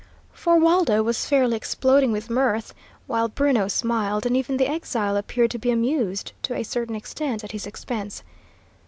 For Waldo was fairly exploding with mirth, while Bruno smiled, and even the exile appeared to be amused to a certain extent at his expense.